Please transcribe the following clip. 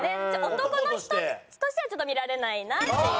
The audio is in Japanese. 男の人としてはちょっと見られないなっていう。